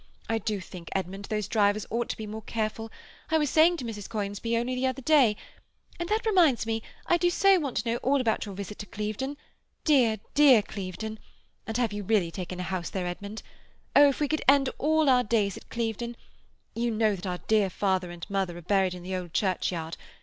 I do think, Edmund, those drivers ought to be more careful. I was saying to Mrs. Conisbee only the other day—and that reminds me, I do so want to know all about your visit to Clevedon. Dear, dear Clevedon! And have you really taken a house there, Edmund? Oh, if we could all end our days at Clevedon! You know that our dear father and mother are buried in the old churchyard.